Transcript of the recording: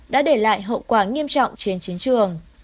đã để lại hậu quả nghiêm trọng trên chiến trường